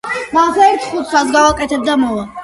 ჯგირო ქორდათ მარგალეფ